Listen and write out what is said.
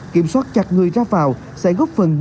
kiểm soát chặt người ra vào sẽ góp phần